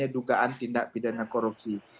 dugaan tindak pidana korupsi